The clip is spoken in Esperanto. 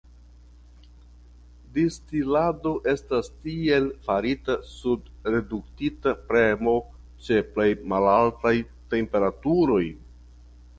Distilado estas tiel farita sub reduktita premo ĉe pli malaltaj temperaturoj.